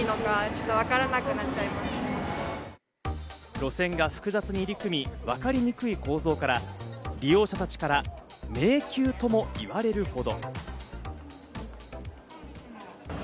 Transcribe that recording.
路線が複雑に入り組み、わかりにくい構造から利用者たちから迷宮とも言われるほど。